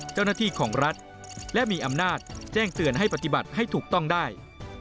เจ้าหน้าที่ของรัฐและมีอำนาจแจ้งเตือนให้ปฏิบัติให้ถูกต้องได้